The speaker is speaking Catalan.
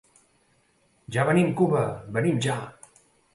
Ja venim, Cuba! Venim ja!